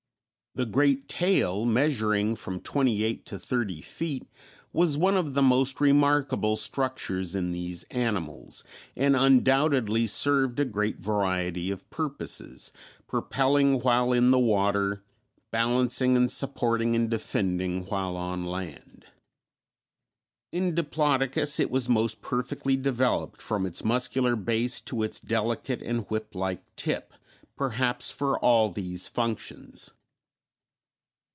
The great tail, measuring from twenty eight to thirty feet, was one of the most remarkable structures in these animals, and undoubtedly served a great variety of purposes, propelling while in the water, balancing and supporting and defending while on land. In Diplodocus it was most perfectly developed from its muscular base to its delicate and whip like tip, perhaps for all these functions.